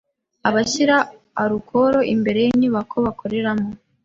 abashyira arukoro imbere y’inyubako bakoreramo